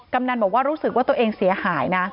กำนันบอกว่ารู้สึกว่าตัวเองเสียหายนะ